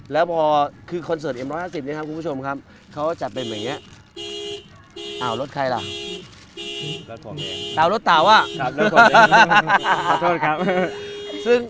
แล้วตัวก็คือตาวนี้เป็นครั้งแรกในการขึ้น